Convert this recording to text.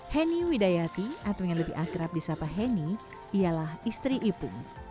heni widayati atau yang lebih akrab di sapa heni ialah istri ipung